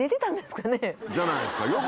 じゃないですか？